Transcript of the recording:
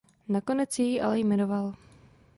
Nakonec jej ale jmenoval.